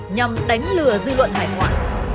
nhằm đánh lừa dư luận hải ngoại